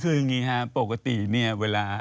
คืออย่างนี้แฮะปกติเวลา